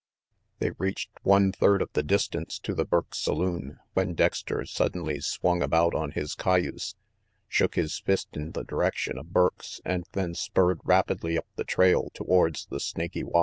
They reached one third of the distance to the Burke saloon, when Dexter suddenly swung about on his cay use, shook his fist in the direction of Burke's and then spurred rapidly up the trail towards the Snaky Y.